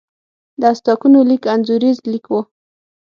د ازتکانو لیک انځوریز لیک و.